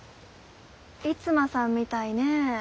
逸馬さんみたいね。